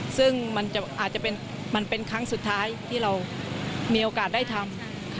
ซึ่งมันอาจจะเป็นครั้งสุดท้ายที่เรามีโอกาสได้ทำ